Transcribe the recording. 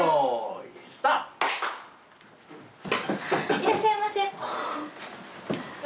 いらっしゃいませ。